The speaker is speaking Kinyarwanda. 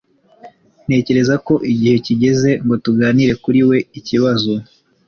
Ntekereza ko igihe kigeze ngo tuganire kuri we ikibazo